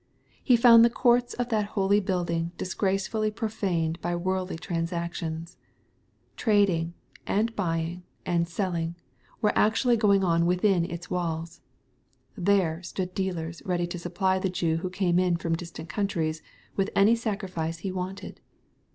He found the courts of that holy building disgracefully profaned by worldly trans actions. Trading, and buying, and selling, were actually going on within its walls. There stood dealers ready to supply the Jew who came from distant countries, with any sacrifice he wanted.